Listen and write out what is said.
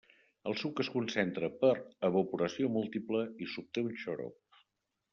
El suc es concentra per evaporació múltiple i s'obté un xarop.